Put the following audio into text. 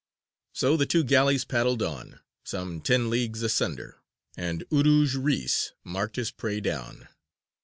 So the two galleys paddled on, some ten leagues asunder, and Urūj Reïs marked his prey down.